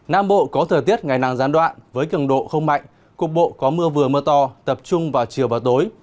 nam bộ có thời tiết ngày nắng gián đoạn với cường độ không mạnh cục bộ có mưa vừa mưa to tập trung vào chiều và tối